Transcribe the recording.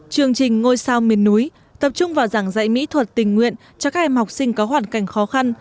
chương trình ngôi sao miền núi tập trung vào giảng dạy mỹ thuật tình nguyện cho các em học sinh có hoàn cảnh khó khăn